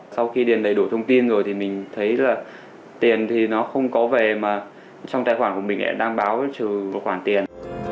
sau khi điền đầy đủ thông tin rồi thì mình thấy là tiền thì nó không có về mà trong tài khoản của mình đang báo trừ một khoản tiền